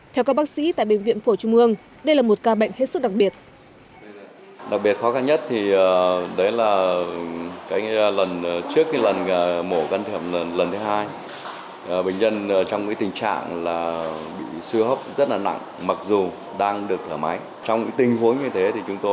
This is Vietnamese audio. theo các bác sĩ tại bệnh viện phổ trung mương đây là một ca bệnh hết sức đặc biệt